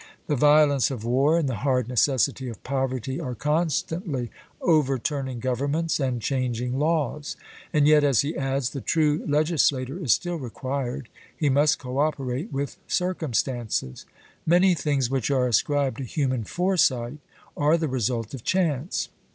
The violence of war and the hard necessity of poverty are constantly overturning governments and changing laws.' And yet, as he adds, the true legislator is still required: he must co operate with circumstances. Many things which are ascribed to human foresight are the result of chance.